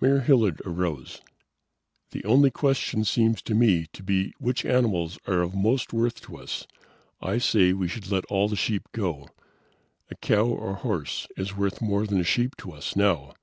Mayor Hilliard arose. "The only question seems to me to be which animals are of most worth to us. I say we should let all the sheep go. A cow or a horse is worth more than a sheep to us now.